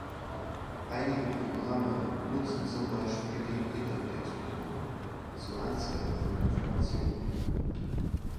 Einige Programme nutzen zum Beispiel den Internet Explorer zur Anzeige von Informationen.